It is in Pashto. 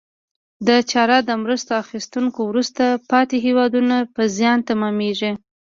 دا چاره د مرسته اخیستونکو وروسته پاتې هېوادونو په زیان تمامیږي.